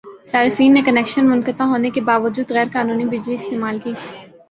صارفین نے کنکشن منقطع ہونے کے باوجودغیرقانونی بجلی استعمال کی